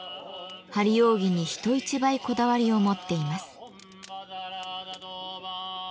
張り扇に人一倍こだわりを持っています。